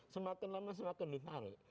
semakin lama semakin ditarik